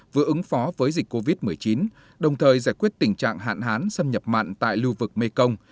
vừa ứng phó với dịch covid một mươi chín đồng thời giải quyết tình trạng hạn hán xâm nhập mặn tại lưu vực mekong